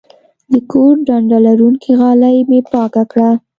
د کور ډنډه لرونکې غالۍ مې پاکه کړه.